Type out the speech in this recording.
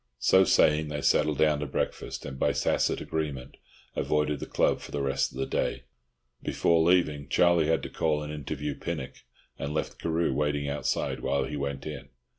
So saying, they settled down to breakfast, and by tacit agreement avoided the club for the rest of the day. Before leaving, Charlie had to call and interview Pinnock, and left Carew waiting outside while he went in.